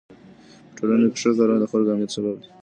په ټولنه کې ښو کارونه د خلکو د امنيت سبب دي.